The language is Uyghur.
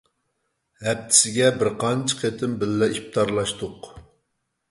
ھەپتىسىگە بىرقانچە قېتىم بىللە ئىپتارلاشتۇق.